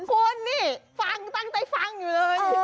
คุณนี่ฟังตั้งใจฟังอยู่เลย